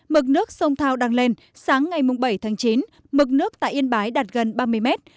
mực nước sông thao đang lên sáng ngày bảy tháng chín mực nước tại yên bái đạt gần ba mươi mét